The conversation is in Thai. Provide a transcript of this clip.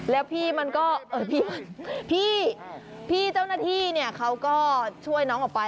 แล้วพี่มันก็พี่เจ้าหน้าที่เนี่ยเขาก็ช่วยน้องออกไป